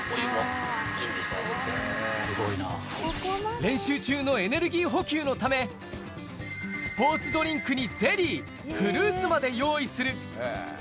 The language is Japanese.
練習中のエネルギー補給のため、スポーツドリンクにゼリー、フルーツまで用意する。